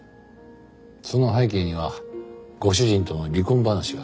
その背景にはご主人との離婚話があった。